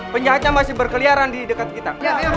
penjahatnya masih berkeliaran di dekat kita